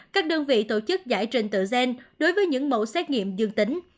các đơn vị tổ chức giải trình tự gen đối với những mẫu xét nghiệm dương tính